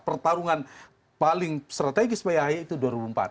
pertarungan paling strategis bagi ahy itu dua ribu dua puluh empat